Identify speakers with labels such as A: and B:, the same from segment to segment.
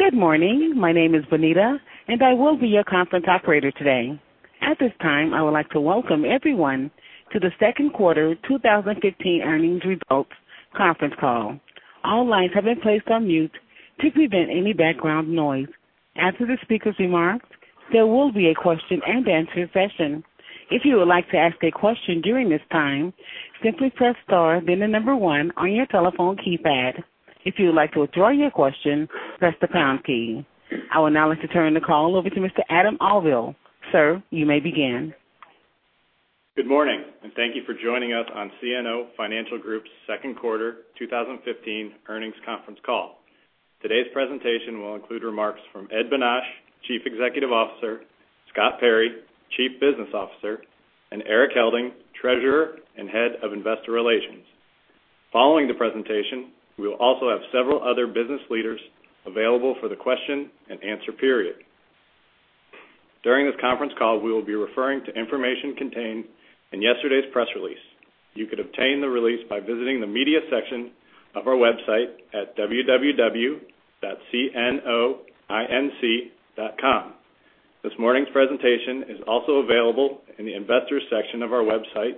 A: Good morning. My name is Bonita, and I will be your conference operator today. At this time, I would like to welcome everyone to the second quarter 2015 earnings results conference call. All lines have been placed on mute to prevent any background noise. After the speaker's remarks, there will be a question-and-answer session. If you would like to ask a question during this time, simply press star then the number ONE on your telephone keypad. If you would like to withdraw your question, press the pound key. I would now like to turn the call over to Mr. Adam Auvil. Sir, you may begin.
B: Good morning. Thank you for joining us on CNO Financial Group's second quarter 2015 earnings conference call. Today's presentation will include remarks from Ed Bonach, Chief Executive Officer, Scott Perry, Chief Business Officer, and Erik Helding, Treasurer and Head of Investor Relations. Following the presentation, we will also have several other business leaders available for the question and answer period. During this conference call, we will be referring to information contained in yesterday's press release. You could obtain the release by visiting the media section of our website at www.cnoinc.com. This morning's presentation is also available in the investors section of our website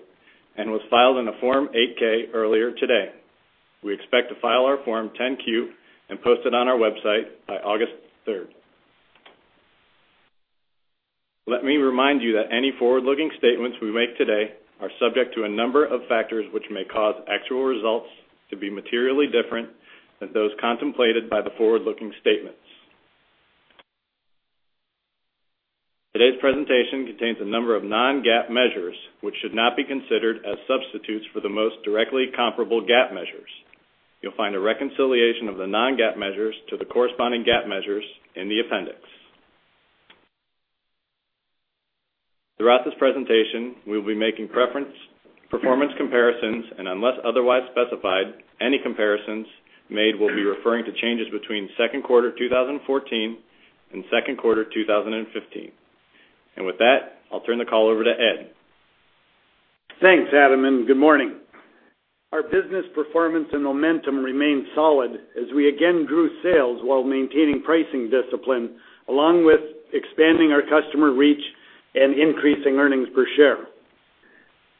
B: and was filed in a Form 8-K earlier today. We expect to file our Form 10-Q and post it on our website by August 3rd. Let me remind you that any forward-looking statements we make today are subject to a number of factors which may cause actual results to be materially different than those contemplated by the forward-looking statements. Today's presentation contains a number of non-GAAP measures, which should not be considered as substitutes for the most directly comparable GAAP measures. You'll find a reconciliation of the non-GAAP measures to the corresponding GAAP measures in the appendix. Throughout this presentation, we'll be making performance comparisons, and unless otherwise specified, any comparisons made will be referring to changes between second quarter 2014 and second quarter 2015. With that, I'll turn the call over to Ed.
C: Thanks, Adam. Good morning. Our business performance and momentum remained solid as we again grew sales while maintaining pricing discipline, along with expanding our customer reach and increasing earnings per share.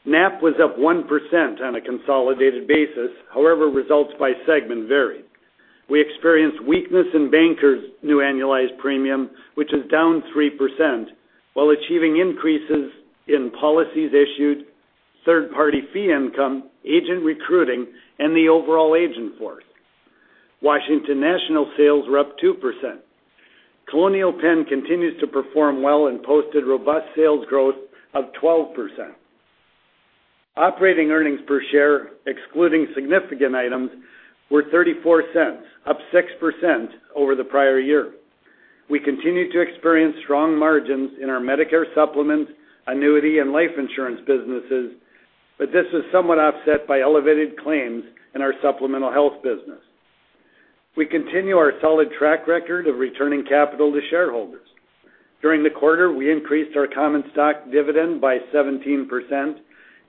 C: NAP was up 1% on a consolidated basis. However, results by segment varied. We experienced weakness in Bankers Life's new annualized premium, which is down 3%, while achieving increases in policies issued, third-party fee income, agent recruiting, and the overall agent force. Washington National sales were up 2%. Colonial Penn continues to perform well and posted robust sales growth of 12%. Operating earnings per share, excluding significant items, were $0.34, up 6% over the prior year. We continue to experience strong margins in our Medicare Supplement, annuity, and life insurance businesses, but this was somewhat offset by elevated claims in our supplemental health business. We continue our solid track record of returning capital to shareholders. During the quarter, we increased our common stock dividend by 17%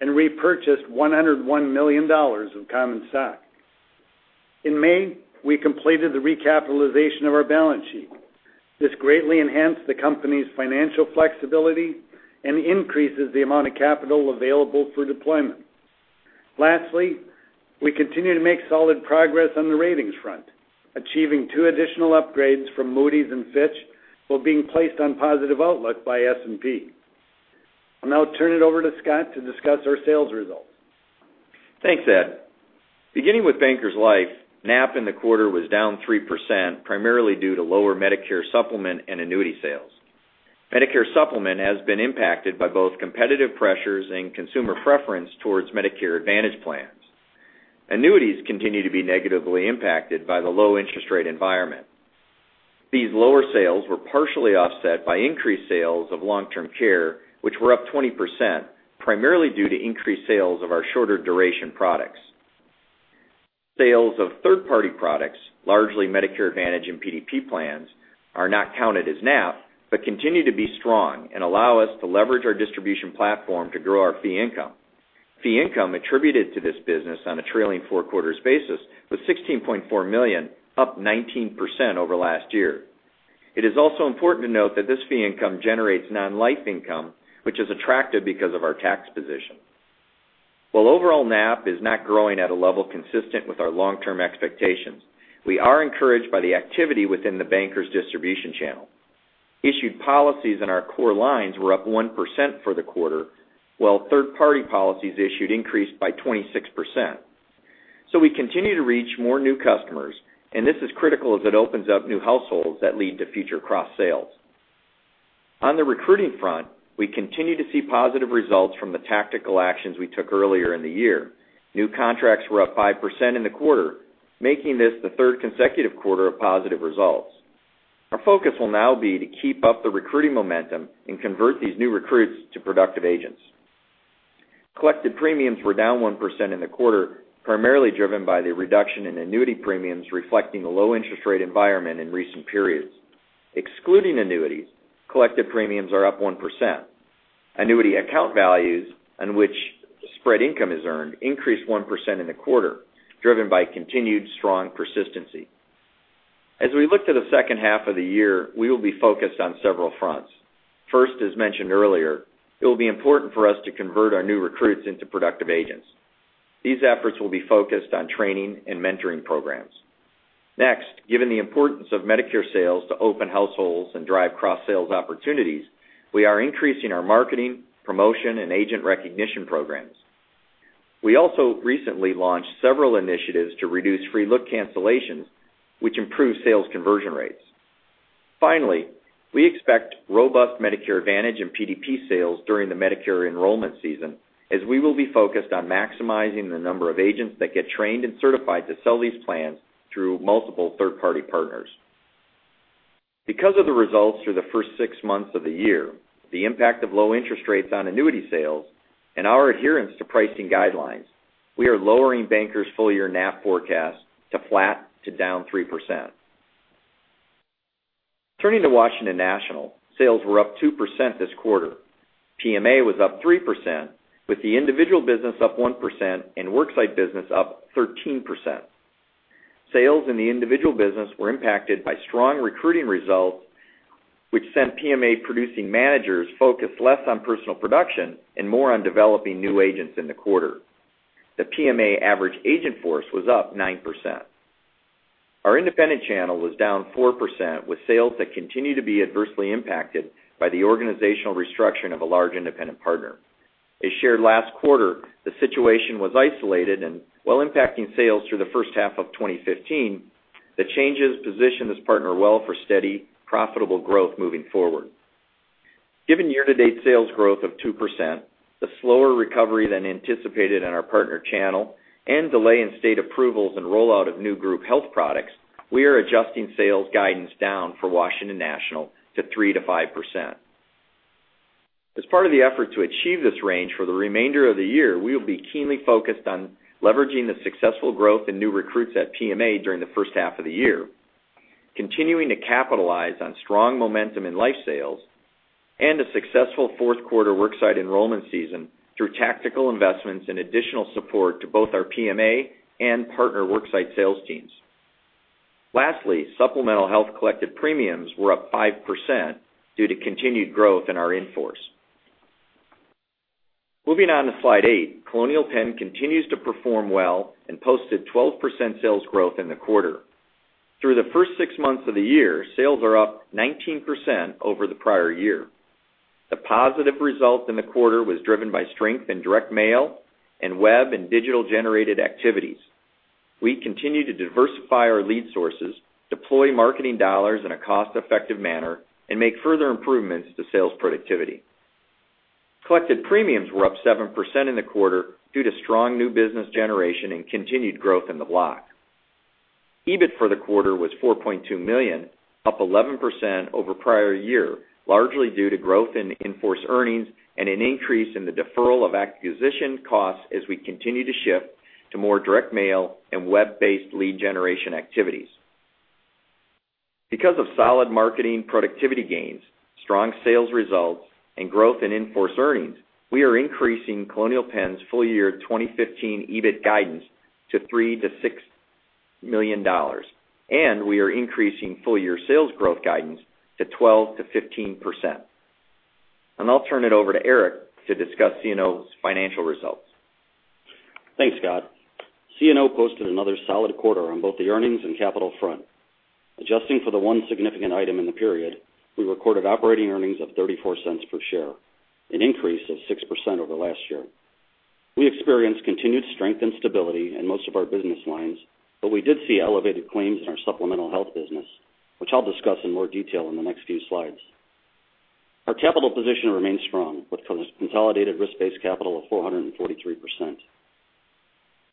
C: and repurchased $101 million of common stock. In May, we completed the recapitalization of our balance sheet. This greatly enhanced the company's financial flexibility and increases the amount of capital available for deployment. Lastly, we continue to make solid progress on the ratings front, achieving two additional upgrades from Moody's and Fitch, while being placed on positive outlook by S&P. I'll now turn it over to Scott to discuss our sales results.
D: Thanks, Ed. Beginning with Bankers Life, NAP in the quarter was down 3%, primarily due to lower Medicare Supplement and annuity sales. Medicare Supplement has been impacted by both competitive pressures and consumer preference towards Medicare Advantage plans. Annuities continue to be negatively impacted by the low interest rate environment. These lower sales were partially offset by increased sales of long-term care, which were up 20%, primarily due to increased sales of our shorter duration products. Sales of third-party products, largely Medicare Advantage and PDP plans, are not counted as NAP, but continue to be strong and allow us to leverage our distribution platform to grow our fee income. Fee income attributed to this business on a trailing four quarters basis was $16.4 million, up 19% over last year. It is also important to note that this fee income generates non-life income, which is attractive because of our tax position. While overall NAP is not growing at a level consistent with our long-term expectations, we are encouraged by the activity within the Bankers distribution channel. Issued policies in our core lines were up 1% for the quarter, while third-party policies issued increased by 26%. We continue to reach more new customers, and this is critical as it opens up new households that lead to future cross-sales. On the recruiting front, we continue to see positive results from the tactical actions we took earlier in the year. New contracts were up 5% in the quarter, making this the third consecutive quarter of positive results. Our focus will now be to keep up the recruiting momentum and convert these new recruits to productive agents. Collected premiums were down 1% in the quarter, primarily driven by the reduction in annuity premiums reflecting the low interest rate environment in recent periods. Excluding annuities, collected premiums are up 1%. Annuity account values on which spread income is earned increased 1% in the quarter, driven by continued strong persistency. As we look to the second half of the year, we will be focused on several fronts. First, as mentioned earlier, it will be important for us to convert our new recruits into productive agents. These efforts will be focused on training and mentoring programs. Next, given the importance of Medicare sales to open households and drive cross-sales opportunities, we are increasing our marketing, promotion, and agent recognition programs. We also recently launched several initiatives to reduce free look cancellations, which improve sales conversion rates. Finally, we expect robust Medicare Advantage and PDP sales during the Medicare enrollment season, as we will be focused on maximizing the number of agents that get trained and certified to sell these plans through multiple third-party partners. Because of the results through the first six months of the year, the impact of low interest rates on annuity sales, and our adherence to pricing guidelines, we are lowering Bankers Life' full-year NAV forecast to flat to down 3%. Turning to Washington National, sales were up 2% this quarter. PMA was up 3%, with the individual business up 1% and worksite business up 13%. Sales in the individual business were impacted by strong recruiting results, which sent PMA producing managers focused less on personal production and more on developing new agents in the quarter. The PMA average agent force was up 9%. Our independent channel was down 4%, with sales that continue to be adversely impacted by the organizational restructure of a large independent partner. As shared last quarter, the situation was isolated and, while impacting sales through the first half of 2015, the changes position this partner well for steady, profitable growth moving forward. Given year-to-date sales growth of 2%, the slower recovery than anticipated in our partner channel, and delay in state approvals and rollout of new group health products, we are adjusting sales guidance down for Washington National to 3%-5%. As part of the effort to achieve this range for the remainder of the year, we will be keenly focused on leveraging the successful growth in new recruits at PMA during the first half of the year, continuing to capitalize on strong momentum in life sales, and a successful fourth quarter worksite enrollment season through tactical investments and additional support to both our PMA and partner worksite sales teams. Lastly, supplemental health collected premiums were up 5% due to continued growth in our in-force. Moving on to slide eight, Colonial Penn continues to perform well and posted 12% sales growth in the quarter. Through the first six months of the year, sales are up 19% over the prior year. The positive result in the quarter was driven by strength in direct mail and web and digital-generated activities. We continue to diversify our lead sources, deploy marketing dollars in a cost-effective manner, and make further improvements to sales productivity. Collected premiums were up 7% in the quarter due to strong new business generation and continued growth in the block. EBIT for the quarter was $4.2 million, up 11% over prior year, largely due to growth in in-force earnings and an increase in the deferral of acquisition costs as we continue to shift to more direct mail and web-based lead generation activities. Because of solid marketing productivity gains, strong sales results, and growth in in-force earnings, we are increasing Colonial Penn's full-year 2015 EBIT guidance to $3 million-$6 million, and we are increasing full-year sales growth guidance to 12%-15%. I'll turn it over to Erik to discuss CNO's financial results.
E: Thanks, Scott. CNO posted another solid quarter on both the earnings and capital front. Adjusting for the one significant item in the period, we recorded operating earnings of $0.34 per share, an increase of 6% over last year. We experienced continued strength and stability in most of our business lines, but we did see elevated claims in our supplemental health business, which I'll discuss in more detail in the next few slides. Our capital position remains strong, with consolidated risk-based capital of 443%.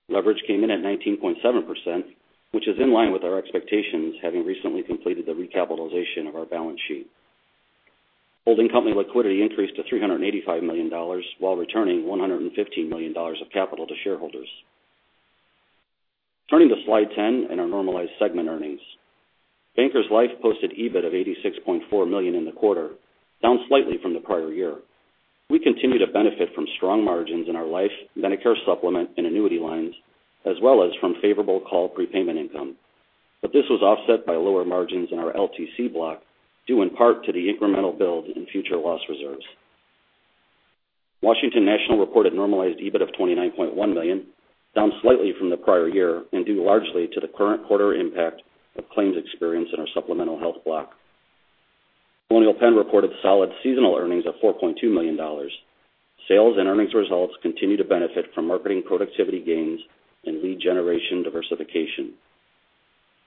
E: Leverage came in at 19.7%, which is in line with our expectations, having recently completed the recapitalization of our balance sheet. Holding company liquidity increased to $385 million, while returning $115 million of capital to shareholders. Turning to slide 10 and our normalized segment earnings. Bankers Life posted EBIT of $86.4 million in the quarter, down slightly from the prior year. We continue to benefit from strong margins in our life, Medicare Supplement, and annuity lines, as well as from favorable call prepayment income. This was offset by lower margins in our LTC block, due in part to the incremental build in future loss reserves. Washington National reported normalized EBIT of $29.1 million, down slightly from the prior year, and due largely to the current quarter impact of claims experience in our supplemental health block. Colonial Penn reported solid seasonal earnings of $4.2 million. Sales and earnings results continue to benefit from marketing productivity gains and lead generation diversification.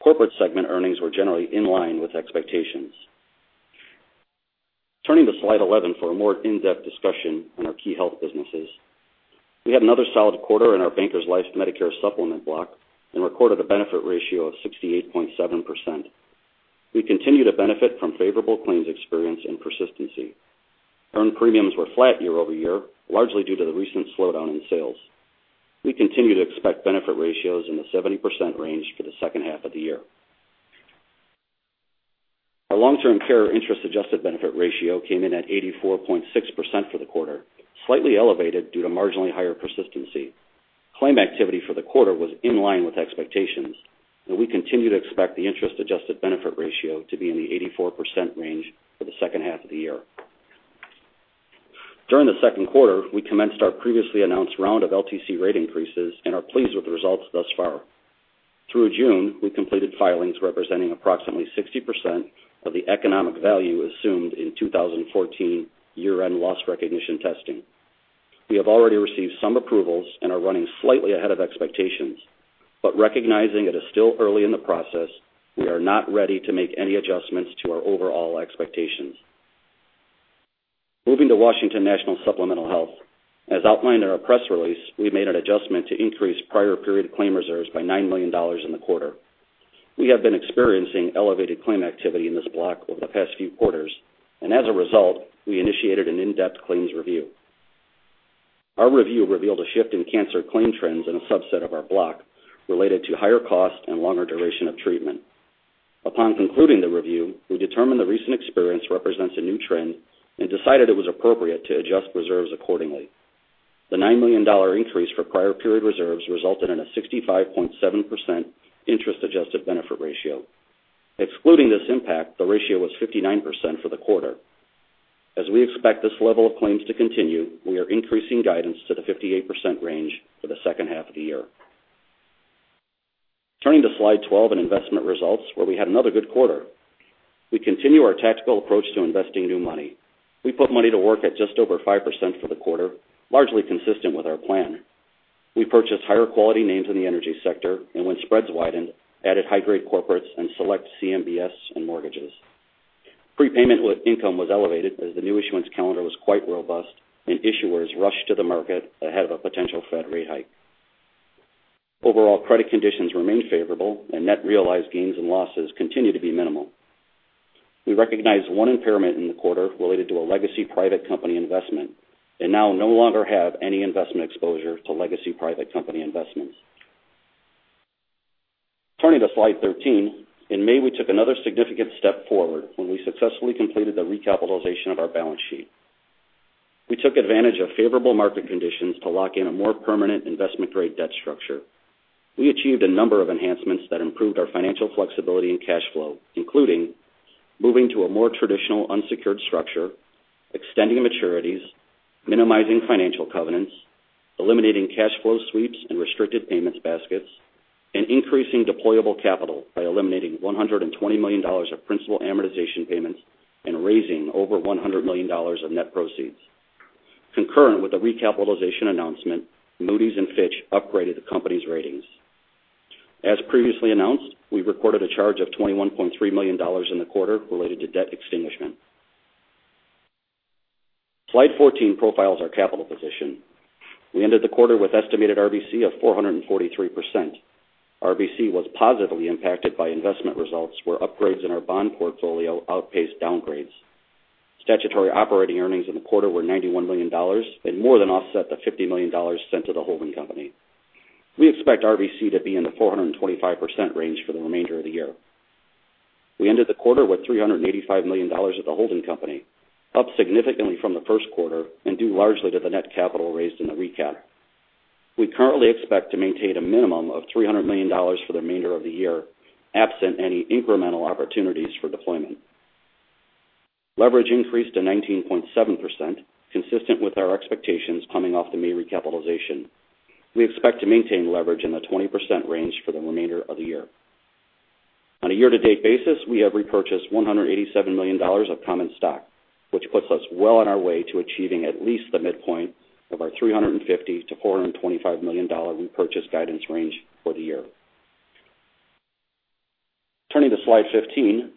E: Corporate segment earnings were generally in line with expectations. Turning to slide 11 for a more in-depth discussion on our key health businesses. We had another solid quarter in our Bankers Life Medicare Supplement block and recorded a benefit ratio of 68.7%. We continue to benefit from favorable claims experience and persistency. Earned premiums were flat year-over-year, largely due to the recent slowdown in sales. We continue to expect benefit ratios in the 70% range for the second half of the year. Our long-term care interest adjusted benefit ratio came in at 84.6% for the quarter, slightly elevated due to marginally higher persistency. Claim activity for the quarter was in line with expectations, and we continue to expect the interest-adjusted benefit ratio to be in the 84% range for the second half of the year. During the second quarter, we commenced our previously announced round of LTC rate increases and are pleased with the results thus far. Through June, we completed filings representing approximately 60% of the economic value assumed in 2014 year-end loss recognition testing. We have already received some approvals and are running slightly ahead of expectations. Recognizing it is still early in the process, we are not ready to make any adjustments to our overall expectations. Moving to Washington National Supplemental Health. As outlined in our press release, we made an adjustment to increase prior period claim reserves by $9 million in the quarter. We have been experiencing elevated claim activity in this block over the past few quarters, and as a result, we initiated an in-depth claims review. Our review revealed a shift in cancer claim trends in a subset of our block related to higher cost and longer duration of treatment. Upon concluding the review, we determined the recent experience represents a new trend and decided it was appropriate to adjust reserves accordingly. The $9 million increase for prior period reserves resulted in a 65.7% interest-adjusted benefit ratio. Excluding this impact, the ratio was 59% for the quarter. As we expect this level of claims to continue, we are increasing guidance to the 58% range for the second half of the year. Turning to slide 12 in investment results, where we had another good quarter. We continue our tactical approach to investing new money. We put money to work at just over 5% for the quarter, largely consistent with our plan. We purchased higher quality names in the energy sector, and when spreads widened, added high-grade corporates and select CMBS and mortgages. Prepayment income was elevated as the new issuance calendar was quite robust, and issuers rushed to the market ahead of a potential Fed rate hike. Overall credit conditions remained favorable and net realized gains and losses continue to be minimal. We recognized one impairment in the quarter related to a legacy private company investment and now no longer have any investment exposure to legacy private company investments. Turning to slide 13. In May, we took another significant step forward when we successfully completed the recapitalization of our balance sheet. We took advantage of favorable market conditions to lock in a more permanent investment-grade debt structure. We achieved a number of enhancements that improved our financial flexibility and cash flow, including moving to a more traditional unsecured structure, extending maturities, minimizing financial covenants, eliminating cash flow sweeps and restricted payments baskets, and increasing deployable capital by eliminating $120 million of principal amortization payments and raising over $100 million of net proceeds. Concurrent with the recapitalization announcement, Moody's and Fitch upgraded the company's ratings. As previously announced, we recorded a charge of $21.3 million in the quarter related to debt extinguishment. Slide 14 profiles our capital position. We ended the quarter with estimated RBC of 443%. RBC was positively impacted by investment results where upgrades in our bond portfolio outpaced downgrades. Statutory operating earnings in the quarter were $91 million and more than offset the $50 million sent to the holding company. We expect RBC to be in the 425% range for the remainder of the year. We ended the quarter with $385 million at the holding company, up significantly from the first quarter and due largely to the net capital raised in the recap. We currently expect to maintain a minimum of $300 million for the remainder of the year, absent any incremental opportunities for deployment. Leverage increased to 19.7%, consistent with our expectations coming off the May recapitalization. We expect to maintain leverage in the 20% range for the remainder of the year. On a year-to-date basis, we have repurchased $187 million of common stock, which puts us well on our way to achieving at least the midpoint of our $350 million-$425 million repurchase guidance range for the year. Turning to slide 15.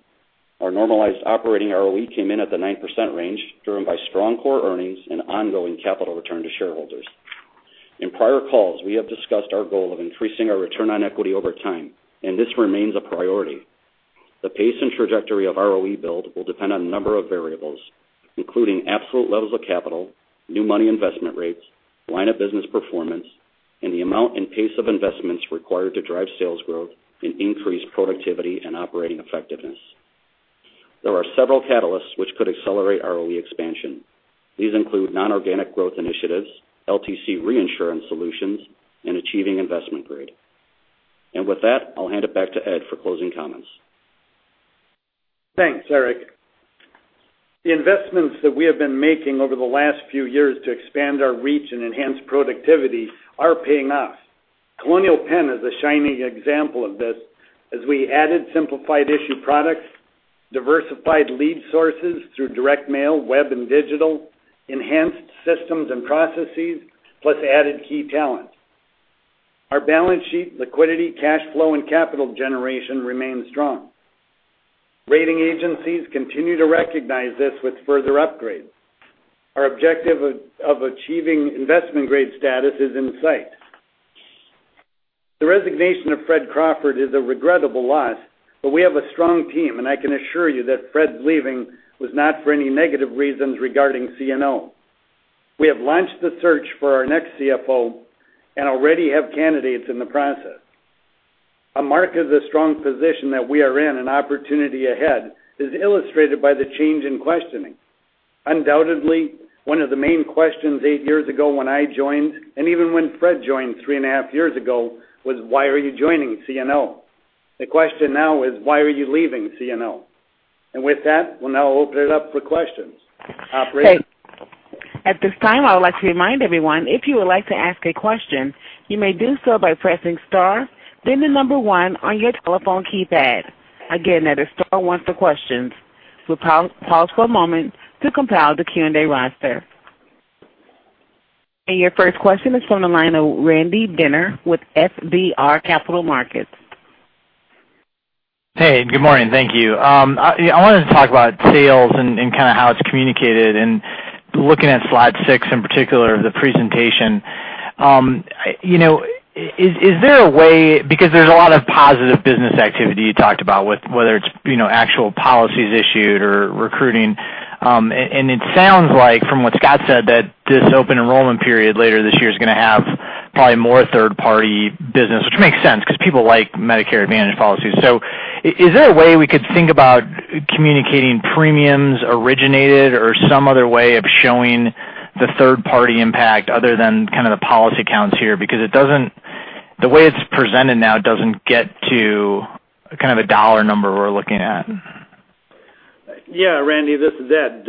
E: Our normalized operating ROE came in at the 9% range, driven by strong core earnings and ongoing capital return to shareholders. In prior calls, we have discussed our goal of increasing our return on equity over time, and this remains a priority. The pace and trajectory of ROE build will depend on a number of variables, including absolute levels of capital, new money investment rates, line of business performance, and the amount and pace of investments required to drive sales growth and increase productivity and operating effectiveness. There are several catalysts which could accelerate ROE expansion. These include non-organic growth initiatives, LTC reinsurance solutions, and achieving investment grade. With that, I'll hand it back to Ed for closing comments.
C: Thanks, Erik. The investments that we have been making over the last few years to expand our reach and enhance productivity are paying off. Colonial Penn is a shining example of this as we added simplified issue products, diversified lead sources through direct mail, web, and digital, enhanced systems and processes, plus added key talent. Our balance sheet liquidity, cash flow, and capital generation remain strong. Rating agencies continue to recognize this with further upgrades. Our objective of achieving investment-grade status is in sight. The resignation of Fred Crawford is a regrettable loss, but we have a strong team, and I can assure you that Fred leaving was not for any negative reasons regarding CNO. We have launched the search for our next CFO and already have candidates in the process. A mark of the strong position that we are in and opportunity ahead is illustrated by the change in questioning. Undoubtedly, one of the main questions eight years ago when I joined, and even when Fred joined three and a half years ago, was: Why are you joining CNO? The question now is: Why are you leaving CNO? With that, we'll now open it up for questions. Operator?
A: At this time, I would like to remind everyone, if you would like to ask a question, you may do so by pressing star then the number one on your telephone keypad. Again, that is star one for questions. We'll pause for a moment to compile the Q&A roster. Your first question is from the line of Randy Binner with FBR Capital Markets.
F: Hey, good morning. Thank you. I wanted to talk about sales and how it's communicated, looking at slide six in particular of the presentation. There's a lot of positive business activity you talked about, whether it's actual policies issued or recruiting. It sounds like, from what Scott said, that this open enrollment period later this year is going to have probably more third-party business, which makes sense because people like Medicare Advantage policies. Is there a way we could think about communicating premiums originated or some other way of showing the third-party impact other than the policy counts here? The way it's presented now doesn't get to a dollar number we're looking at.
C: Yeah. Randy, this is Ed.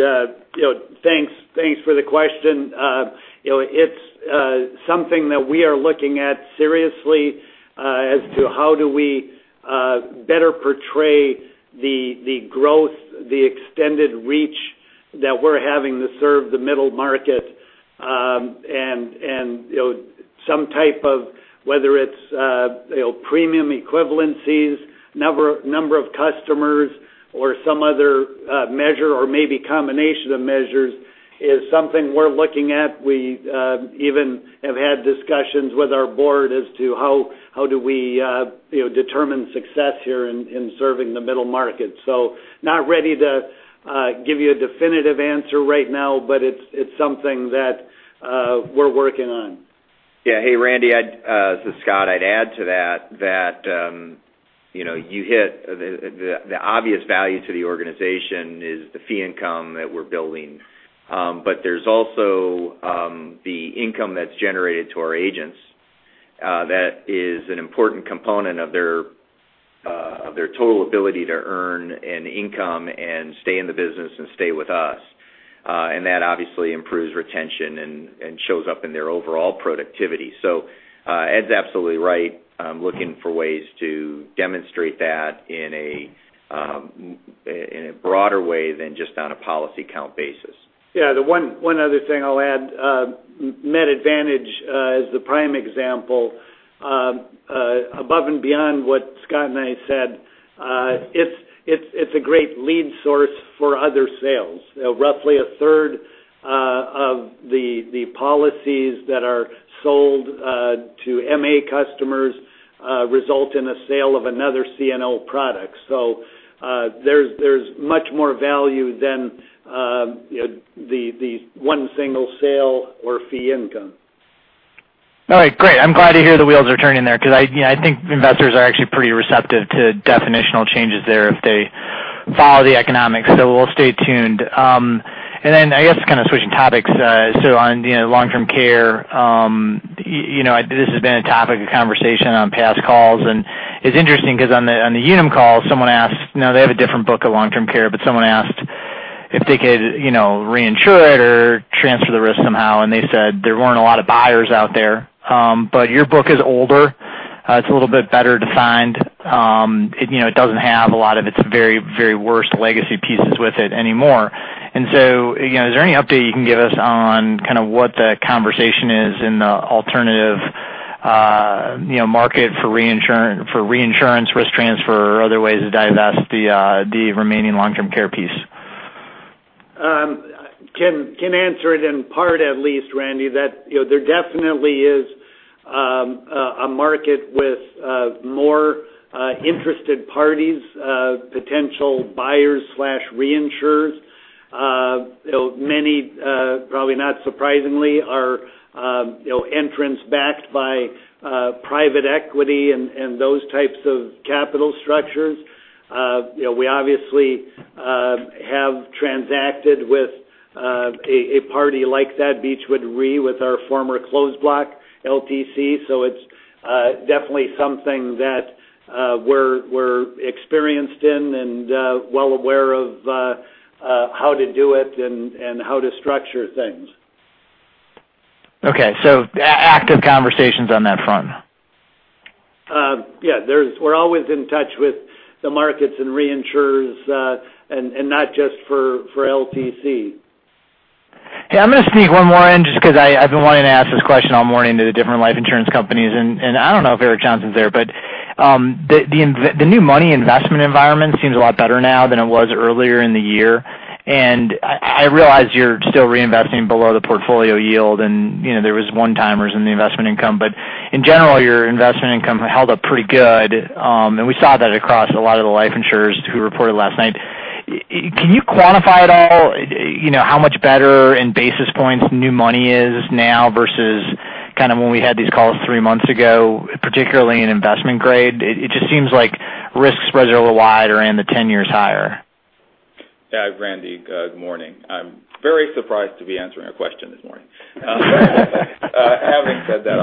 C: Thanks for the question. It's something that we are looking at seriously as to how do we better portray the growth, the extended reach that we're having to serve the middle market. Some type of, whether it's premium equivalencies, number of customers or some other measure, or maybe combination of measures, is something we're looking at. We even have had discussions with our board as to how do we determine success here in serving the middle market. Not ready to give you a definitive answer right now, but it's something that we're working on.
D: Yeah. Hey, Randy. This is Scott. I'd add to that you hit the obvious value to the organization is the fee income that we're building. There's also the income that's generated to our agents that is an important component of their total ability to earn an income and stay in the business and stay with us. That obviously improves retention and shows up in their overall productivity. Ed's absolutely right. Looking for ways to demonstrate that in a broader way than just on a policy count basis.
C: Yeah. The one other thing I'll add, Medicare Advantage is the prime example. Above and beyond what Scott and I said, it's a great lead source for other sales. Roughly a third of the policies that are sold to MA customers result in a sale of another CNO product. There's much more value than the one single sale or fee income.
F: All right, great. I'm glad to hear the wheels are turning there, because I think investors are actually pretty receptive to definitional changes there if they follow the economics. We'll stay tuned. I guess kind of switching topics. On long-term care, this has been a topic of conversation on past calls, and it's interesting because on the Unum call, they have a different book of long-term care, but someone asked if they could reinsure it or transfer the risk somehow, and they said there weren't a lot of buyers out there. Your book is older. It's a little bit better defined. It doesn't have a lot of its very worst legacy pieces with it anymore. Is there any update you can give us on kind of what the conversation is in the alternative market for reinsurance, risk transfer, or other ways to divest the remaining long-term care piece?
C: Can answer it in part at least, Randy, that there definitely is a market with more interested parties, potential buyers/reinsurers. Many, probably not surprisingly, are entrants backed by private equity and those types of capital structures. We obviously have transacted with a party like that, Beechwood Re, with our former closed block, LTC. It's definitely something that we're experienced in and well aware of how to do it and how to structure things.
F: Okay. Active conversations on that front.
C: Yeah. We're always in touch with the markets and reinsurers, and not just for LTC.
F: Hey, I'm going to sneak one more in, just because I've been wanting to ask this question all morning to the different life insurance companies, and I don't know if Eric Johnson's there. The new money investment environment seems a lot better now than it was earlier in the year. I realize you're still reinvesting below the portfolio yield, and there was one-timers in the investment income. In general, your investment income held up pretty good, and we saw that across a lot of the life insurers who reported last night. Can you quantify at all how much better in basis points new money is now versus when we had these calls three months ago, particularly in investment grade? It just seems like risks spreads are a little wider and the 10-years higher.
E: Yeah, Randy. Good morning. I'm very surprised to be answering a question this morning. Having said that.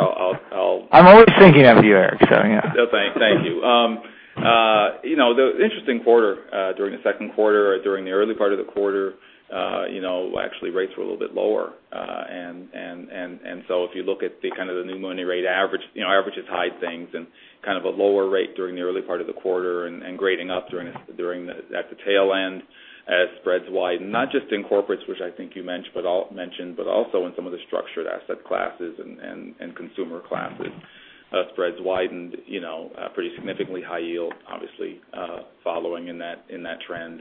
F: I'm always thinking of you, Erik, yeah.
E: Thank you. Interesting quarter during the second quarter. During the early part of the quarter, actually rates were a little bit lower. If you look at the new money rate average, averages hide things, a lower rate during the early part of the quarter and grading up at the tail end as spreads widen. Not just in corporates, which I think you mentioned, but also in some of the structured asset classes and consumer classes. Spreads widened pretty significantly. High yield, obviously, following in that trend.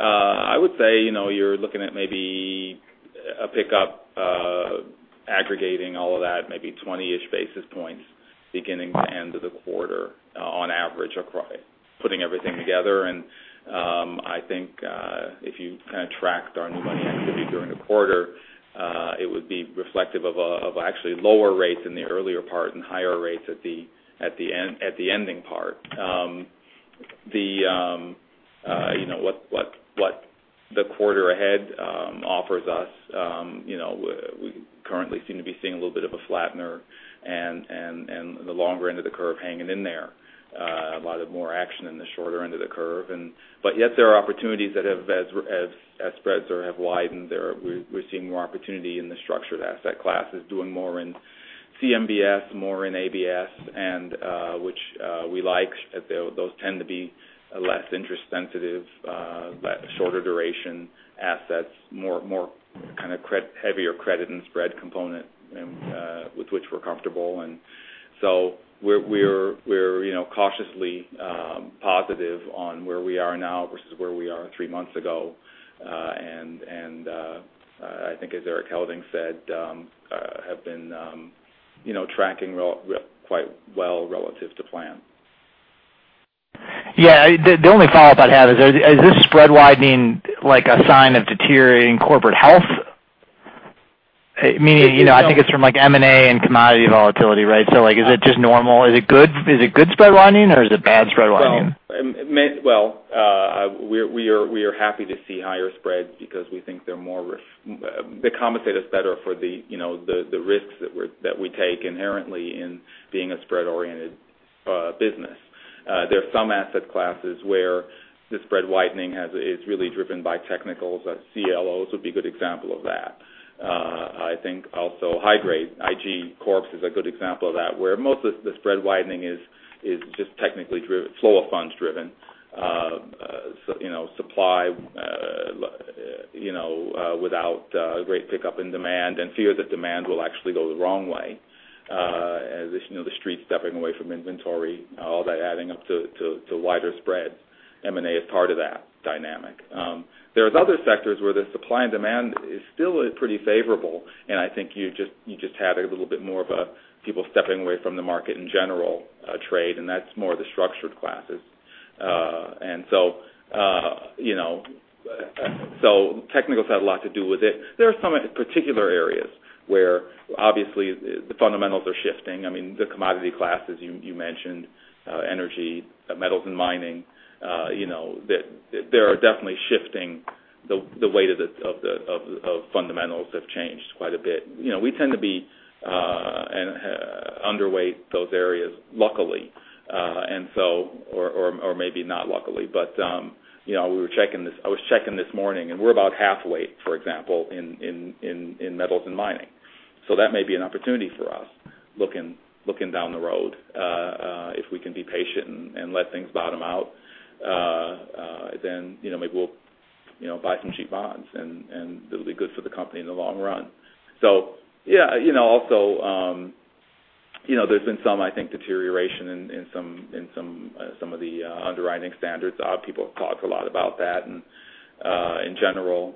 E: I would say, you're looking at maybe a pickup, aggregating all of that, maybe 20-ish basis points beginning to end of the quarter on average, putting everything together. I think if you tracked our new money activity during the quarter it would be reflective of actually lower rates in the earlier part and higher rates at the ending part. What the quarter ahead offers us. We currently seem to be seeing a little bit of a flattener and the longer end of the curve hanging in there. A lot of more action in the shorter end of the curve. Yet there are opportunities that as spreads have widened there, we're seeing more opportunity in the structured asset classes, doing more in CMBS, more in ABS, which we like. Those tend to be less interest sensitive, shorter duration assets, heavier credit and spread component with which we're comfortable. We're cautiously positive on where we are now versus where we are three months ago.
C: I think as Erik Helding said have been tracking quite well relative to plan.
F: Yeah. The only follow-up I'd have is this spread widening a sign of deteriorating corporate health? I think it's from M&A and commodity volatility, right? Is it just normal? Is it good spread widening or is it bad spread widening?
G: Well, we are happy to see higher spreads because we think they compensate us better for the risks that we take inherently in being a spread-oriented business. There are some asset classes where the spread widening is really driven by technicals. CLOs would be a good example of that. I think also high-grade IG Corp is a good example of that, where most of the spread widening is just technically flow of funds driven. Supply without great pickup in demand and fear that demand will actually go the wrong way. The Street stepping away from inventory, all that adding up to wider spreads. M&A is part of that dynamic. There's other sectors where the supply and demand is still pretty favorable, and I think you just have a little bit more of a people stepping away from the market in general trade, and that's more the structured classes. Technicals had a lot to do with it. There are some particular areas where obviously the fundamentals are shifting. I mean, the commodity classes you mentioned, energy, metals and mining they are definitely shifting. The weight of fundamentals have changed quite a bit. We tend to be underweight those areas luckily. Or maybe not luckily. I was checking this morning, and we're about half weight, for example, in metals and mining. That may be an opportunity for us looking down the road. If we can be patient and let things bottom out, maybe we'll buy some cheap bonds, and it'll be good for the company in the long run. Yeah. Also there's been some, I think, deterioration in some of the underwriting standards. People have talked a lot about that. In general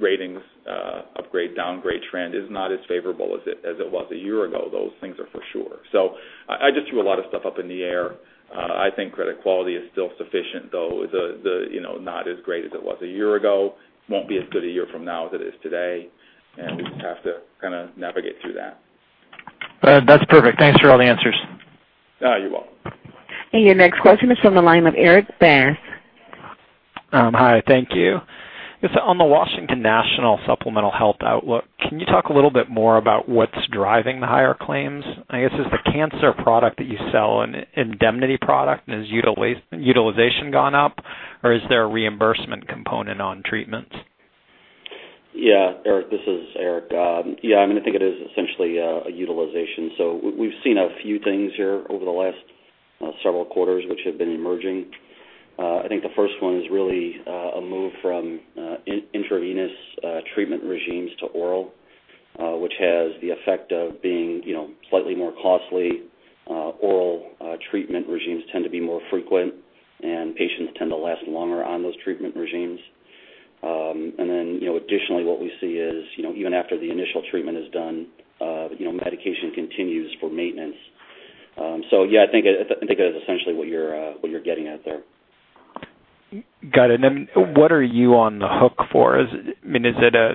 G: ratings, upgrade, downgrade trend is not as favorable as it was a year ago. Those things are for sure. I just threw a lot of stuff up in the air. I think credit quality is still sufficient, though not as great as it was a year ago. Won't be as good a year from now as it is today. We just have to navigate through that.
F: That's perfect. Thanks for all the answers.
G: You're welcome.
A: Your next question is from the line of Erik Bass.
H: Hi, thank you. On the Washington National supplemental health outlook, can you talk a little bit more about what's driving the higher claims? I guess, is the cancer product that you sell an indemnity product? Has utilization gone up, or is there a reimbursement component on treatments?
E: Yeah, Erik, this is Erik. Yeah, I think it is essentially a utilization. We've seen a few things here over the last several quarters which have been emerging. I think the first one is really a move from intravenous treatment regimes to oral which has the effect of being slightly more costly. Oral treatment regimes tend to be more frequent, and patients tend to last longer on those treatment regimes Additionally, what we see is, even after the initial treatment is done, medication continues for maintenance. Yeah, I think that is essentially what you're getting at there.
H: Got it. What are you on the hook for? Is it a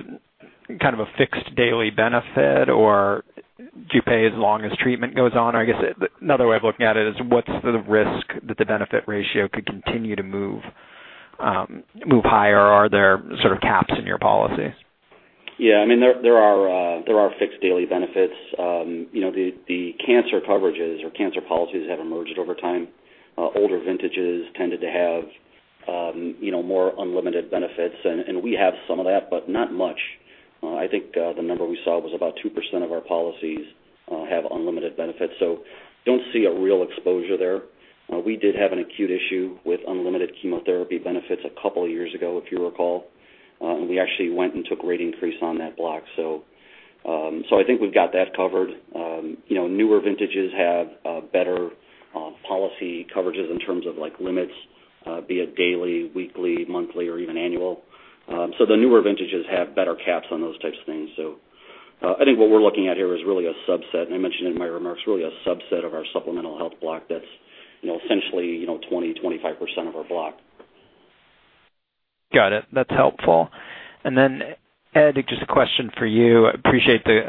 H: kind of a fixed daily benefit, or do you pay as long as treatment goes on? I guess another way of looking at it is what's the risk that the benefit ratio could continue to move higher, or are there sort of caps in your policy?
E: Yeah, there are fixed daily benefits. The cancer coverages or cancer policies have emerged over time. Older vintages tended to have more unlimited benefits, and we have some of that, but not much. I think the number we saw was about 2% of our policies have unlimited benefits, so don't see a real exposure there. We did have an acute issue with unlimited chemotherapy benefits a couple of years ago, if you recall. We actually went and took rate increase on that block. I think we've got that covered. Newer vintages have better policy coverages in terms of limits, be it daily, weekly, monthly, or even annual. The newer vintages have better caps on those types of things. I think what we're looking at here is really a subset, and I mentioned in my remarks, really a subset of our supplemental health block that's essentially 20%-25% of our block.
H: Got it. That's helpful. Ed, just a question for you. I appreciate the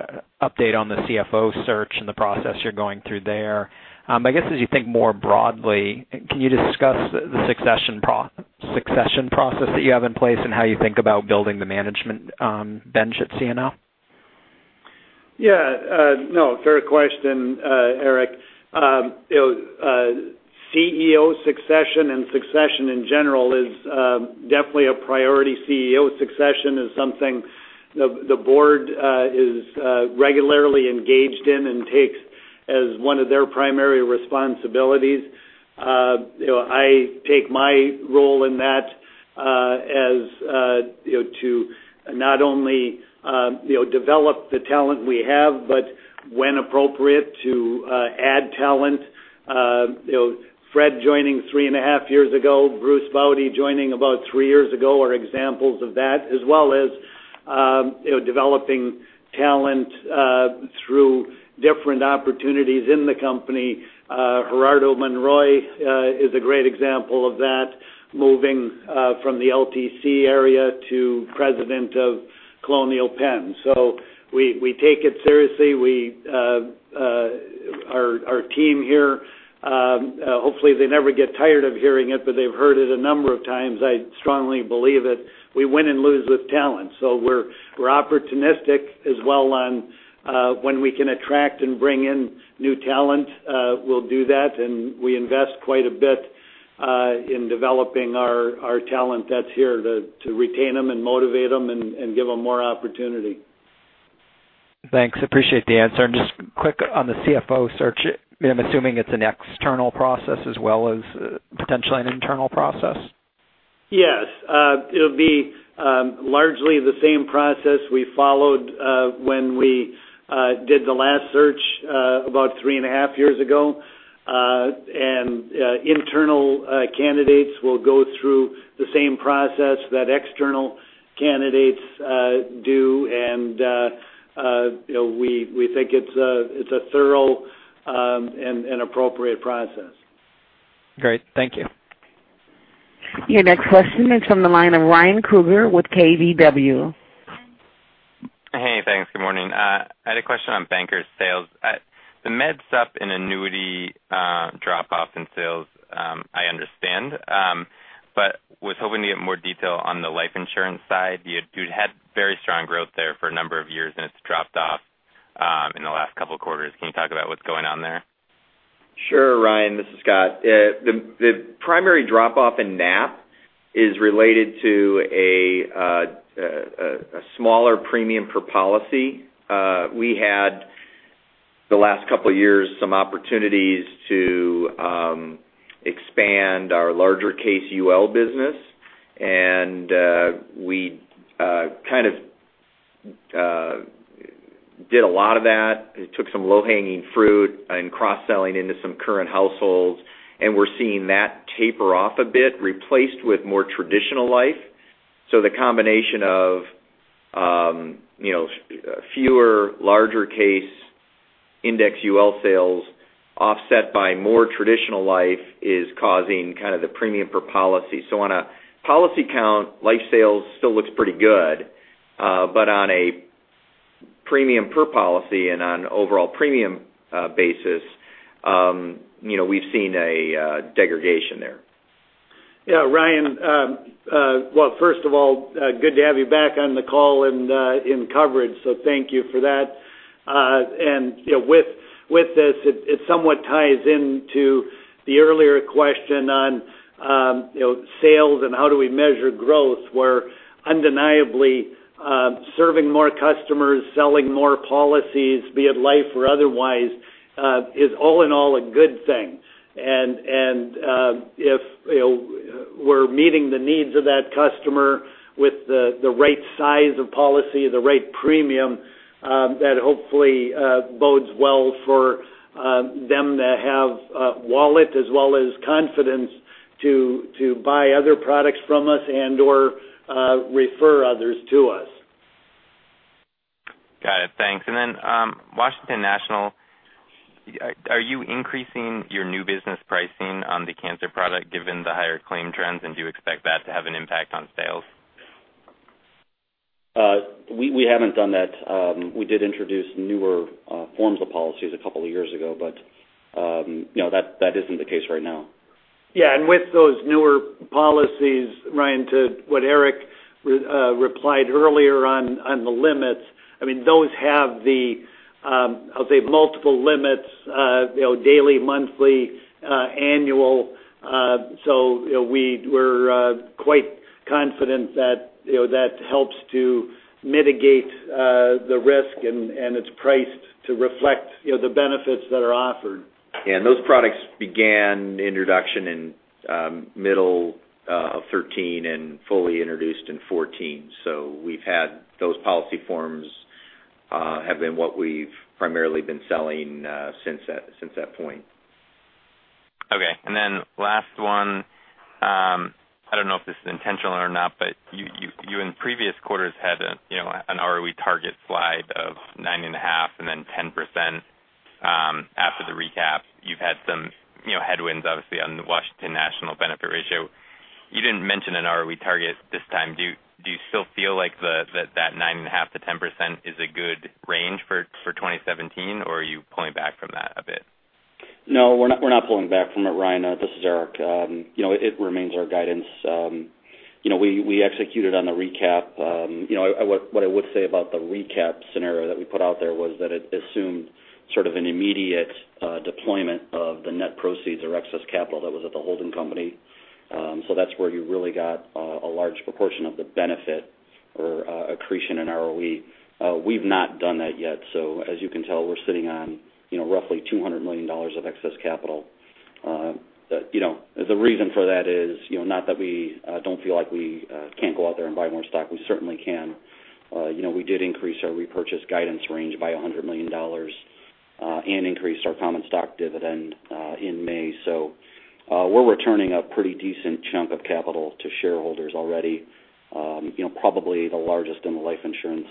H: update on the CFO search and the process you're going through there. I guess as you think more broadly, can you discuss the succession process that you have in place and how you think about building the management bench at CNO?
C: Fair question, Erik. CEO succession and succession in general is definitely a priority. CEO succession is something the board is regularly engaged in and takes as one of their primary responsibilities. I take my role in that as to not only develop the talent we have, but when appropriate, to add talent. Fred joining three and a half years ago, Bruce Baude joining about three years ago are examples of that, as well as developing talent through different opportunities in the company. Gerardo Monroy is a great example of that, moving from the LTC area to President of Colonial Penn. We take it seriously. Our team here, hopefully they never get tired of hearing it, but they've heard it a number of times. I strongly believe it. We win and lose with talent. We're opportunistic as well on when we can attract and bring in new talent. We'll do that, and we invest quite a bit in developing our talent that's here to retain them and motivate them and give them more opportunity.
H: Thanks. Appreciate the answer. Just quick on the CFO search, I'm assuming it's an external process as well as potentially an internal process.
C: Yes. It'll be largely the same process we followed when we did the last search about three and a half years ago. Internal candidates will go through the same process that external candidates do, and we think it's a thorough and appropriate process.
H: Great. Thank you.
A: Your next question is from the line of Ryan Krueger with KBW.
I: Hey, thanks. Good morning. I had a question on Bankers sales. The Med Supp and annuity drop-off in sales, I understand, but was hoping to get more detail on the life insurance side. You'd had very strong growth there for a number of years, and it's dropped off in the last couple of quarters. Can you talk about what's going on there?
D: Sure, Ryan. This is Scott. The primary drop off in NAP is related to a smaller premium per policy. We had, the last couple of years, some opportunities to expand our larger case UL business, and we kind of did a lot of that. It took some low-hanging fruit and cross-selling into some current households, and we're seeing that taper off a bit, replaced with more traditional life. The combination of fewer larger case Indexed UL sales offset by more traditional life is causing kind of the premium per policy. On a policy count, life sales still looks pretty good. On a premium per policy and on an overall premium basis, we've seen a degradation there.
C: Ryan, well, first of all, good to have you back on the call and in coverage, thank you for that. With this, it somewhat ties into the earlier question on sales and how do we measure growth, where undeniably serving more customers, selling more policies, be it life or otherwise, is all in all a good thing. If we're meeting the needs of that customer with the right size of policy, the right premium. That hopefully bodes well for them to have a wallet as well as confidence to buy other products from us and/or refer others to us.
I: Got it. Thanks. Washington National, are you increasing your new business pricing on the cancer product given the higher claim trends? Do you expect that to have an impact on sales?
D: We haven't done that. We did introduce newer forms of policies a couple of years ago, no, that isn't the case right now.
C: Yeah. With those newer policies, Ryan, to what Erik replied earlier on the limits, those have the, I'll say, multiple limits, daily, monthly, annual. We're quite confident that helps to mitigate the risk, and it's priced to reflect the benefits that are offered.
D: Those products began introduction in middle of 2013 and fully introduced in 2014. We've had those policy forms have been what we've primarily been selling since that point.
I: Okay. Last one, I don't know if this is intentional or not, you in previous quarters had an ROE target slide of 9.5%, then 10% after the recap. You've had some headwinds, obviously, on the Washington National benefit ratio. You didn't mention an ROE target this time. Do you still feel like that 9.5%-10% is a good range for 2017, or are you pulling back from that a bit?
E: No, we're not pulling back from it, Ryan. This is Erik. It remains our guidance. We executed on the recap. What I would say about the recap scenario that we put out there was that it assumed sort of an immediate deployment of the net proceeds or excess capital that was at the holding company. That's where you really got a large proportion of the benefit or accretion in ROE. We've not done that yet, as you can tell, we're sitting on roughly $200 million of excess capital. The reason for that is not that we don't feel like we can't go out there and buy more stock. We certainly can. We did increase our repurchase guidance range by $100 million and increased our common stock dividend in May. We're returning a pretty decent chunk of capital to shareholders already, probably the largest in the life insurance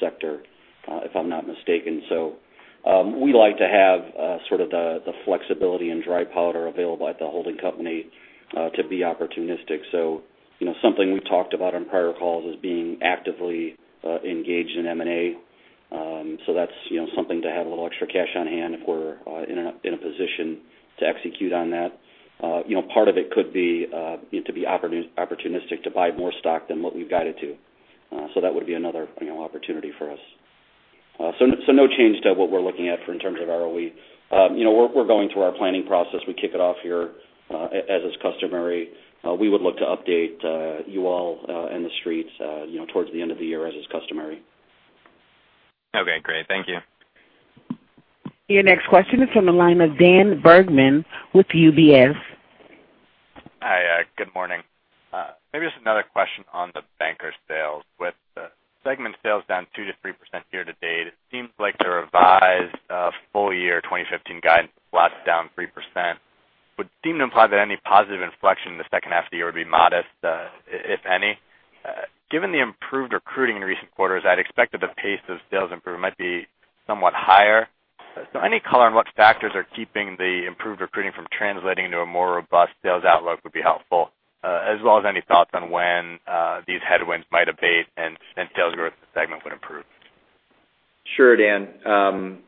E: sector, if I'm not mistaken. We like to have sort of the flexibility and dry powder available at the holding company to be opportunistic. Something we've talked about on prior calls is being actively engaged in M&A. That's something to have a little extra cash on hand if we're in a position to execute on that. Part of it could be to be opportunistic to buy more stock than what we've guided to. That would be another opportunity for us. No change to what we're looking at in terms of ROE. We're going through our planning process. We kick it off here as is customary. We would look to update you all in the streets towards the end of the year, as is customary.
I: Okay, great. Thank you.
A: Your next question is from the line of Dan Bergman with UBS.
J: Hi, good morning. Maybe just another question on the Bankers Life sales. With the segment sales down 2%-3% year-to-date, it seems like the revised full-year 2015 guide flat to down 3%, would seem to imply that any positive inflection in the second half of the year would be modest, if any. Given the improved recruiting in recent quarters, I'd expect that the pace of sales improvement might be somewhat higher. Any color on what factors are keeping the improved recruiting from translating into a more robust sales outlook would be helpful, as well as any thoughts on when these headwinds might abate and sales growth in the segment would improve.
D: Sure, Dan.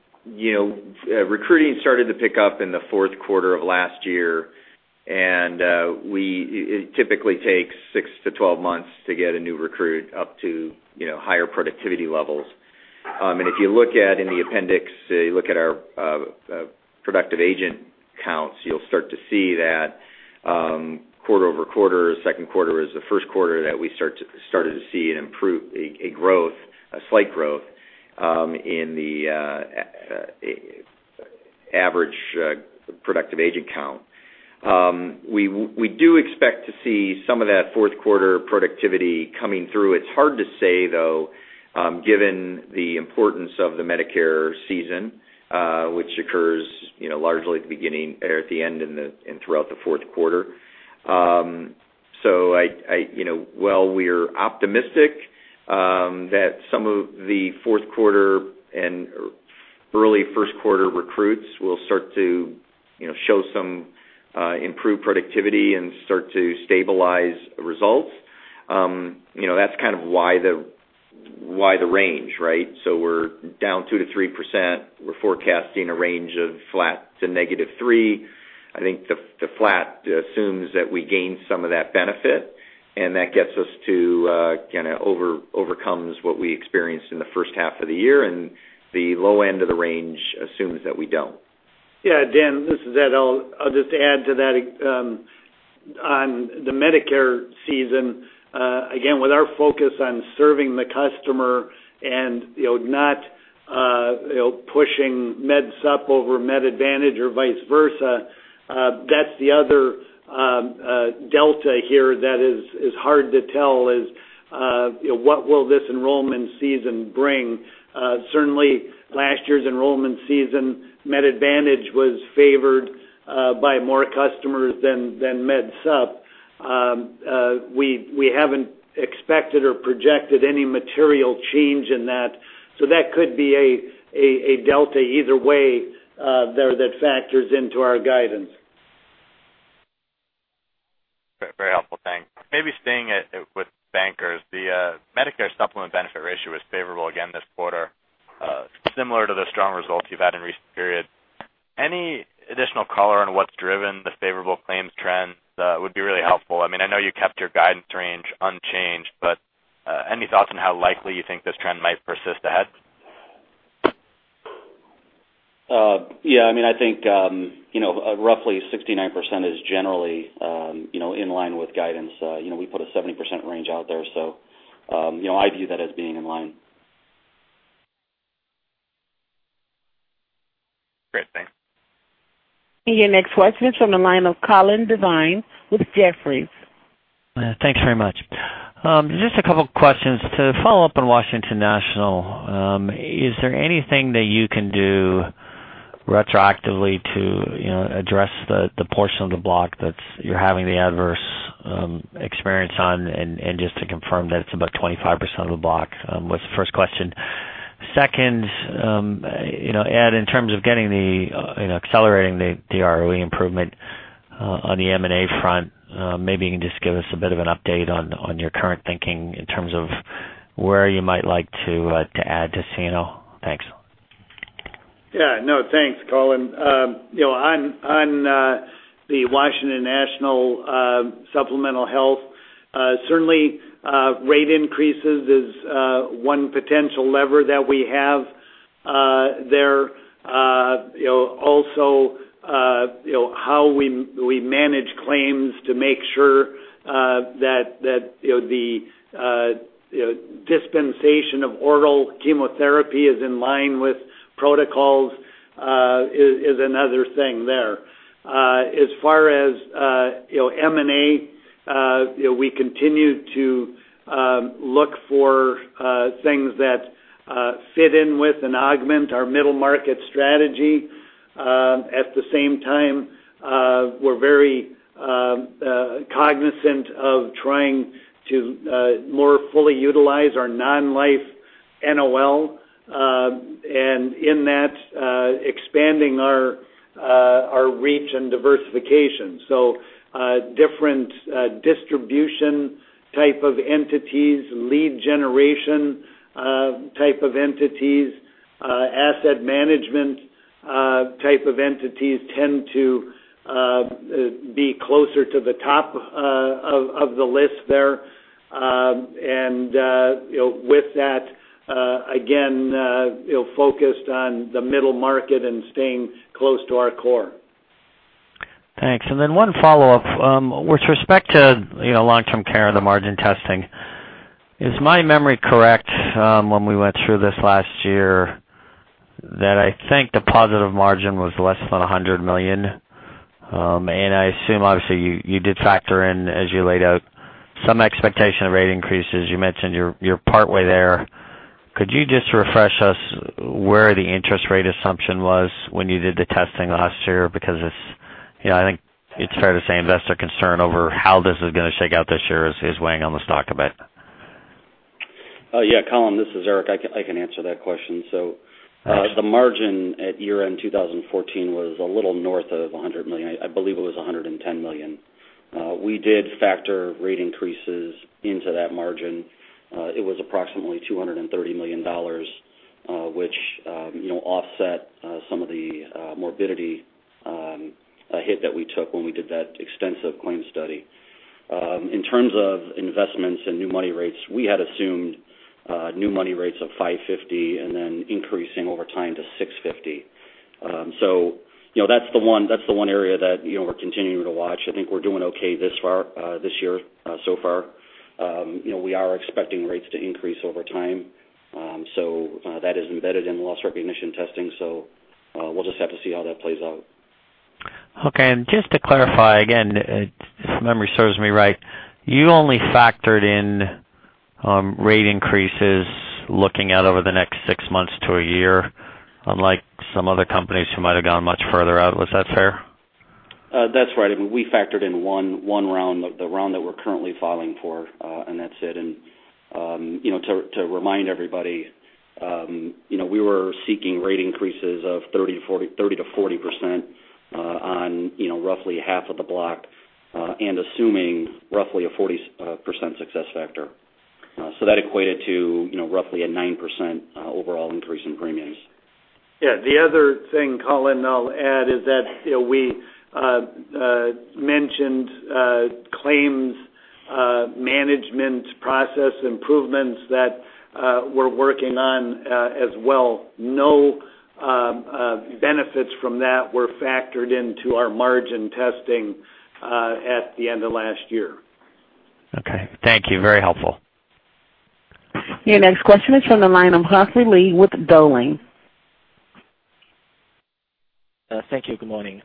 D: Recruiting started to pick up in the 4Q of last year, and it typically takes 6 to 12 months to get a new recruit up to higher productivity levels. If you look at in the appendix, if you look at our productive agent counts, you'll start to see that quarter-over-quarter, 2Q is the 1Q that we started to see a slight growth in the average productive agent count. We do expect to see some of that 4Q productivity coming through. It's hard to say, though, given the importance of the Medicare season, which occurs largely at the end and throughout the 4Q. While we're optimistic that some of the 4Q and early 1Q recruits will start to show some improved productivity and start to stabilize results, that's kind of why the range, right? We're down 2%-3%. We're forecasting a range of flat to -3%. I think the flat assumes that we gain some of that benefit, and that gets us to overcomes what we experienced in the first half of the year, and the low end of the range assumes that we don't.
C: Dan, this is Ed. I'll just add to that on the Medicare season. Again, with our focus on serving the customer and not pushing Medicare Supplement over Medicare Advantage or vice versa. That's the other delta here that is hard to tell is, what will this enrollment season bring? Certainly last year's enrollment season, Medicare Advantage was favored by more customers than Medicare Supplement. We haven't expected or projected any material change in that. That could be a delta either way there that factors into our guidance.
J: Very helpful. Thanks. Maybe staying with Bankers Life, the Medicare Supplement benefit ratio is favorable again this quarter, similar to the strong results you've had in recent periods. Any additional color on what's driven the favorable claims trends would be really helpful. I know you kept your guidance range unchanged, any thoughts on how likely you think this trend might persist ahead?
E: Yeah. I think, roughly 69% is generally in line with guidance. We put a 70% range out there. I view that as being in line.
J: Great, thanks.
A: Your next question is from the line of Colin Devine with Jefferies.
K: Thanks very much. Just a couple questions. To follow up on Washington National, is there anything that you can do retroactively to address the portion of the block that you're having the adverse experience on, and just to confirm that it's about 25% of the block? Was the first question. Second, Ed, in terms of accelerating the ROE improvement on the M&A front, maybe you can just give us a bit of an update on your current thinking in terms of where you might like to add to CNO. Thanks.
C: Thanks, Colin. On the Washington National Supplemental Health, certainly, rate increases is one potential lever that we have there. Also, how we manage claims to make sure that the dispensation of oral chemotherapy is in line with protocols is another thing there. As far as M&A, we continue to look for things that fit in with and augment our middle market strategy. At the same time, we're very cognizant of trying to more fully utilize our non-life NOL. In that, expanding our reach and diversification. Different distribution type of entities, lead generation type of entities, asset management type of entities tend to be closer to the top of the list there. With that, again, focused on the middle market and staying close to our core.
K: Thanks. Then one follow-up. With respect to long-term care, the margin testing, is my memory correct when we went through this last year, that I think the positive margin was less than $100 million? I assume obviously you did factor in, as you laid out, some expectation of rate increases. You mentioned you're partway there. Could you just refresh us where the interest rate assumption was when you did the testing last year? I think it's fair to say investor concern over how this is going to shake out this year is weighing on the stock a bit.
E: Colin, this is Erik. I can answer that question. Thanks. The margin at year-end 2014 was a little north of $100 million. I believe it was $110 million. We did factor rate increases into that margin. It was approximately $230 million, which offset some of the morbidity hit that we took when we did that extensive claim study. In terms of investments and new money rates, we had assumed new money rates of 550 and then increasing over time to 650. That's the one area that we're continuing to watch. I think we're doing okay this year so far. We are expecting rates to increase over time. That is embedded in the loss recognition testing. We'll just have to see how that plays out.
K: Okay. Just to clarify again, if memory serves me right, you only factored in rate increases looking out over the next six months to a year, unlike some other companies who might have gone much further out. Was that fair?
E: That's right. We factored in one round, the round that we're currently filing for, and that's it. To remind everybody, we were seeking rate increases of 30%-40% on roughly half of the block, assuming roughly a 40% success factor. That equated to roughly a 9% overall increase in premiums.
C: Yeah. The other thing, Colin, I'll add is that we mentioned claims management process improvements that we're working on as well. No benefits from that were factored into our margin testing at the end of last year.
K: Okay. Thank you. Very helpful.
A: Your next question is from the line of Humphrey Lee with Dowling.
L: Thank you. Good morning.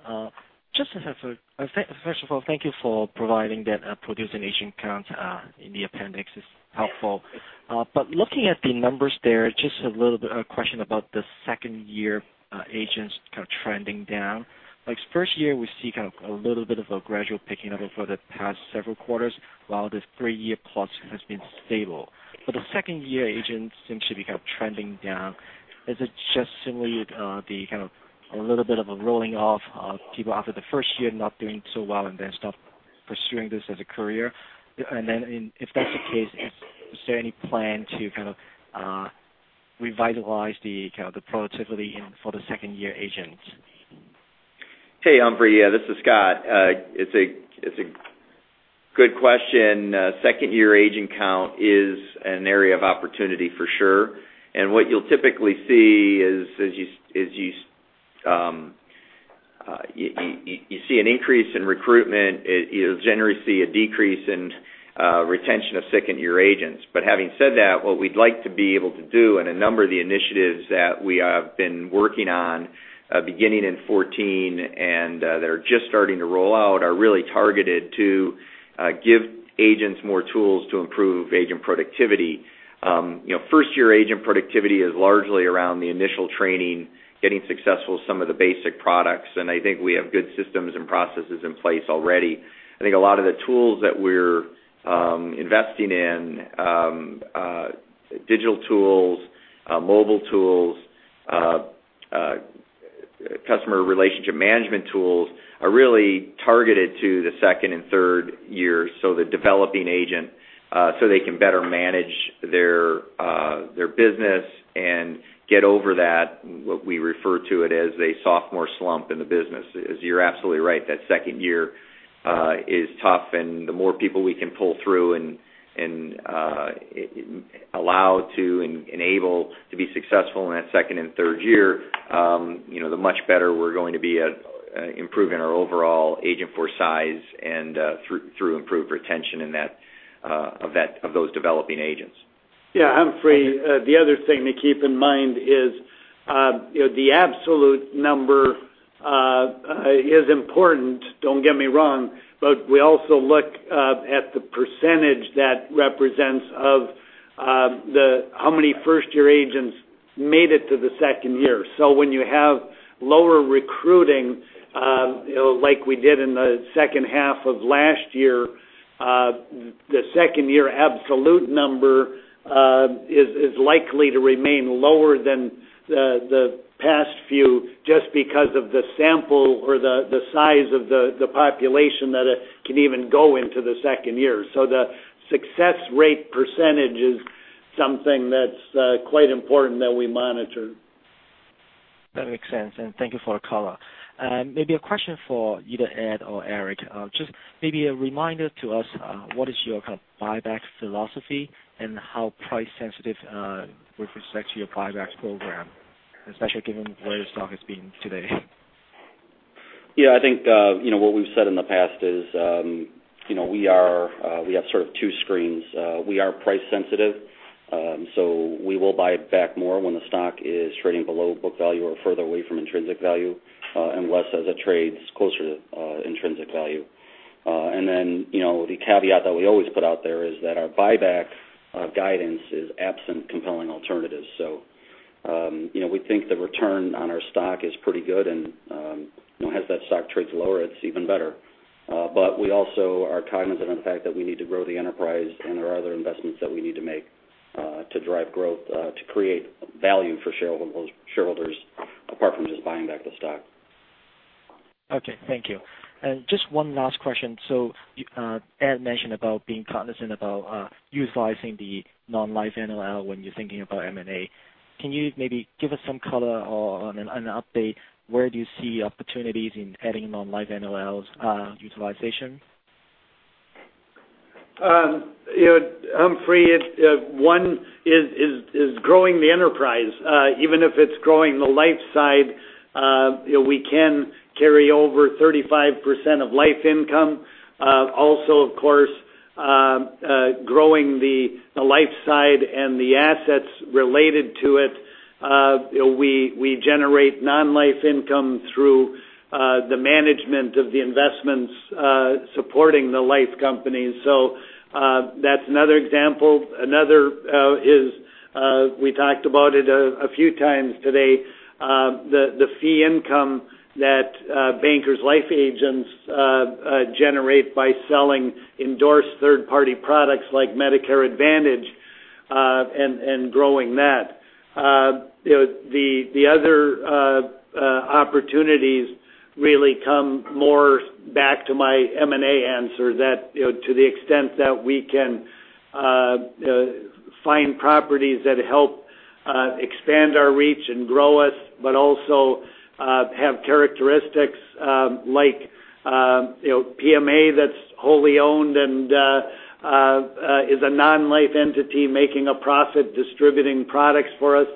L: Looking at the numbers there, just a little bit of question about the second-year agents kind of trending down. First-year, we see a little bit of a gradual picking up for the past several quarters, while the three-year-plus has been stable. For the second-year, agents seem to be kind of trending down. Is it just simply a little bit of a rolling off of people after the first-year not doing so well and then stop pursuing this as a career? If that's the case, is there any plan to kind of revitalize the productivity for the second-year agents?
D: Hey, Humphrey, this is Scott. It's a good question. Second-year agent count is an area of opportunity for sure. What you'll typically see is you see an increase in recruitment, you'll generally see a decrease in retention of second-year agents. Having said that, what we'd like to be able to do, a number of the initiatives that we have been working on beginning in 2014 and that are just starting to roll out, are really targeted to give agents more tools to improve agent productivity. First-year agent productivity is largely around the initial training, getting successful with some of the basic products, and I think we have good systems and processes in place already. I think a lot of the tools that we're investing in, digital tools, mobile tools, customer relationship management tools, are really targeted to the second and third year, so the developing agent, so they can better manage their business and get over that, what we refer to it as a sophomore slump in the business. You're absolutely right, that second year is tough, the more people we can pull through and enable to be successful in that second and third year, the much better we're going to be at improving our overall agent force size and through improved retention of those developing agents.
C: Yeah, Humphrey, the other thing to keep in mind is the absolute number is important, don't get me wrong, but we also look at the percentage that represents of how many first-year agents made it to the second year. When you have lower recruiting, like we did in the second half of last year, the second-year absolute number is likely to remain lower than the past few, just because of the sample or the size of the population that can even go into the second year. The success rate percentage is something that's quite important that we monitor.
L: That makes sense, thank you for the color. Maybe a question for either Ed or Erik. Maybe a reminder to us, what is your kind of buyback philosophy and how price sensitive with respect to your buyback program, especially given where your stock has been today?
E: Yeah, I think what we've said in the past is we have sort of two screens. We are price sensitive, we will buy back more when the stock is trading below book value or further away from intrinsic value, and less as it trades closer to intrinsic value. The caveat that we always put out there is that our buyback guidance is absent compelling alternatives. We think the return on our stock is pretty good, and as that stock trades lower, it's even better. We also are cognizant of the fact that we need to grow the enterprise and there are other investments that we need to make to drive growth to create value for shareholders, apart from just buying back the stock.
L: Okay, thank you. Just one last question. Ed mentioned about being cognizant about utilizing the non-life NOL when you're thinking about M&A. Can you maybe give us some color or an update? Where do you see opportunities in adding non-life NOLs utilization?
C: Humphrey, one is growing the enterprise. Even if it's growing the life side, we can carry over 35% of life income. Also, of course, growing the life side and the assets related to it. We generate non-life income through the management of the investments supporting the life company. That's another example. Another is, we talked about it a few times today, the fee income that Bankers Life agents generate by selling endorsed third-party products like Medicare Advantage, and growing that. The other opportunities really come more back to my M&A answer, that to the extent that we can find properties that help expand our reach and grow us, but also have characteristics like PMA that's wholly owned and is a non-life entity making a profit distributing products for us.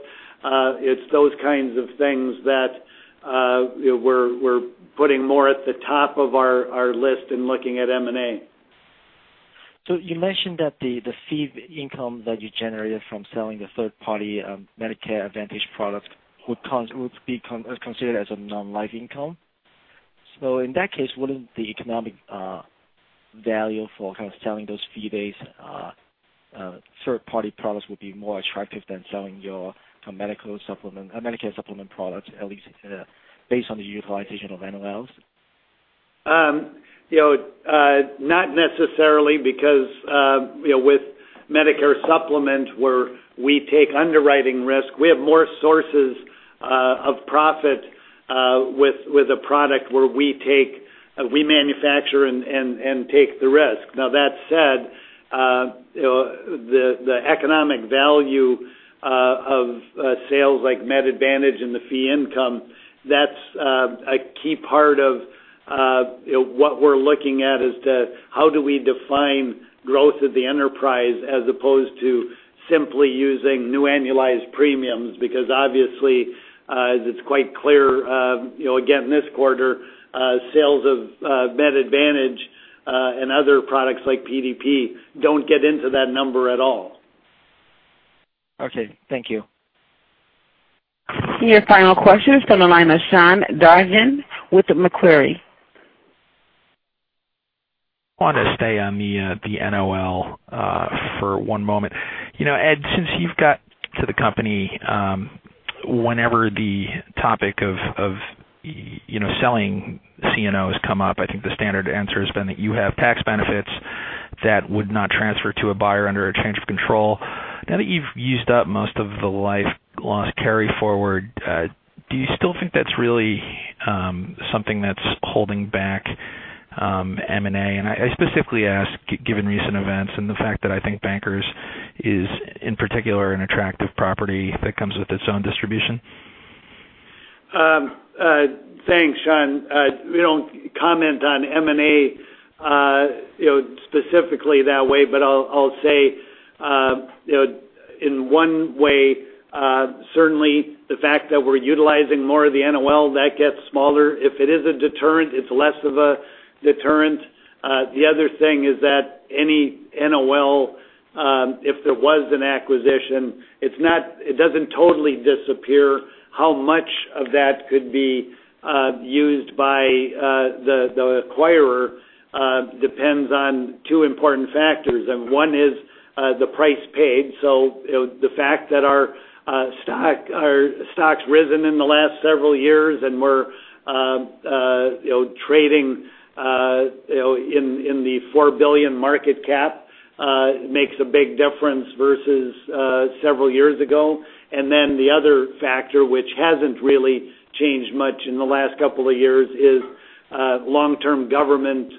C: It's those kinds of things that we're putting more at the top of our list in looking at M&A.
L: You mentioned that the fee income that you generated from selling the third-party Medicare Advantage product would be considered as a non-life income. In that case, wouldn't the economic value for kind of selling those fee-based third-party products would be more attractive than selling your Medicare Supplement products, at least based on the utilization of NOLs?
C: Not necessarily because with Medicare Supplement, where we take underwriting risk, we have more sources of profit with a product where we manufacture and take the risk. That said, the economic value of sales like Med Advantage and the fee income, that's a key part of what we're looking at as to how do we define growth of the enterprise as opposed to simply using new annualized premiums. Obviously, as it's quite clear, again, this quarter, sales of Med Advantage and other products like PDP don't get into that number at all.
L: Okay. Thank you.
A: Your final question is from the line of Sean Dargan with Macquarie.
M: I wanted to stay on the NOL for one moment. Ed, since you've got to the company, whenever the topic of selling CNO has come up, I think the standard answer has been that you have tax benefits that would not transfer to a buyer under a change of control. Now that you've used up most of the life loss carry forward, do you still think that's really something that's holding back M&A? I specifically ask, given recent events and the fact that I think Bankers is, in particular, an attractive property that comes with its own distribution.
C: Thanks, Sean. We don't comment on M&A specifically that way, but I'll say in one way, certainly the fact that we're utilizing more of the NOL, that gets smaller. If it is a deterrent, it's less of a deterrent. The other thing is that any NOL, if there was an acquisition, it doesn't totally disappear. How much of that could be used by the acquirer depends on two important factors, one is the price paid. The fact that our stock's risen in the last several years and we're trading in the $4 billion market cap makes a big difference versus several years ago. Then the other factor, which hasn't really changed much in the last couple of years, is long-term government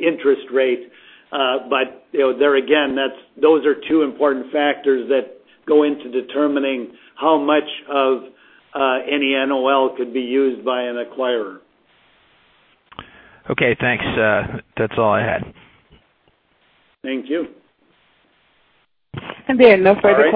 C: interest rate. There again, those are two important factors that go into determining how much of any NOL could be used by an acquirer.
M: Okay, thanks. That's all I had.
C: Thank you.
A: There are no further questions.